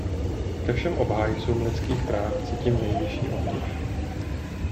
Ke všem obhájcům lidských práv cítím nejvyšší obdiv.